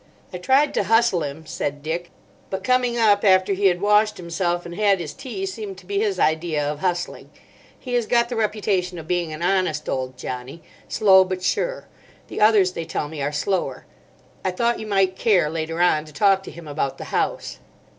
"I tried to hustle him," said Dick, "but coming up after he had washed himself and had his tea seemed to be his idea of hustling. He has got the reputation of being an honest old Johnny, slow but sure; the others, they tell me, are slower. I thought you might care, later on, to talk to him about the house."